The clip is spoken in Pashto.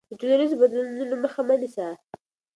د ټولنیزو بدلونونو مخه مه نیسه.